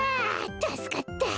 たすかった。